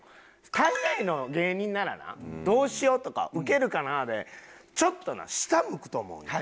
大概の芸人ならなどうしようとかウケるかなでちょっとな下向くと思うねん。